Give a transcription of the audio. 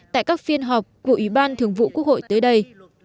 tại các phiên họp của ủy ban thường vụ quốc hội tới đây